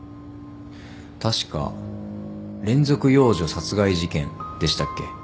確か連続幼女殺害事件でしたっけ。